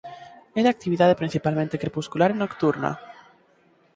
É de actividade principalmente crepuscular e nocturna.